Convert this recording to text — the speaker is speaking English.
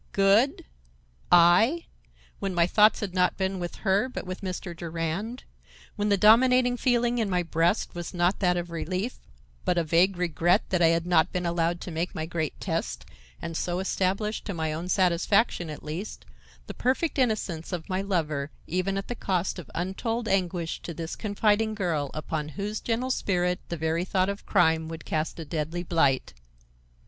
Good! I! when my thoughts had not been with her, but with Mr. Durand; when the dominating feeling in my breast was not that of relief, but a vague regret that I had not been allowed to make my great test and so establish, to my own satisfaction, at least, the perfect innocence of my lover even at the cost of untold anguish to this confiding girl upon whose gentle spirit the very thought of crime would cast a deadly blight.